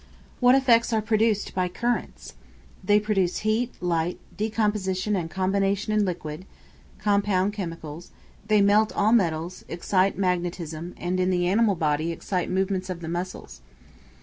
What effects are produced by currents? They produce heat, light, decomposition and combination in liquid chemical compounds; they melt all metals, excite magnetism, and in the animal body excite movements of the muscles.